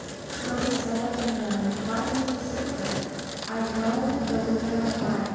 So he said unto her, My name is Secret, I dwell with those that are high.